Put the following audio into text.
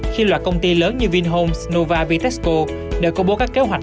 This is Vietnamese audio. khi loạt công ty lớn như vinhomes nova vitexco đều cố bố các kế hoạch